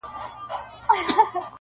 په ترخو کي یې لذت بیا د خوږو دی,